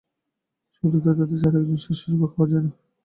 সহৃদয়তা ছাড়া একজন স্বেচ্ছাসেবক হওয়া যায় না।